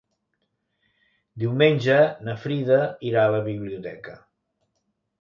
Diumenge na Frida irà a la biblioteca.